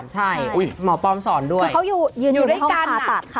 ใช่อุ๊ยหมอปอมสอนด้วยคือเขายืนอยู่ในห้องคาตัดค่ะ